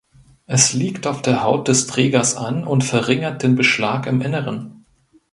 Es liegt auf der Haut des Trägers an und verringert den Beschlag im Inneren.